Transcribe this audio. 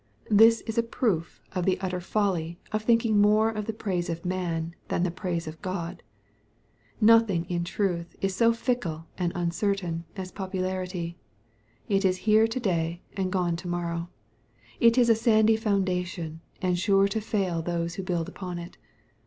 This is a proof of the utter folly of thinking more of the praise of man than the praise of God. Nothing in truth is sO fickle and uncertain as popularity. It is here to day and gone tp morrow. It is a sandy foundation^ and sure to fail those who build upon it.